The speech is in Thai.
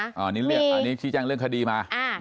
อันนี้ชี้แจงเรื่องคดีมา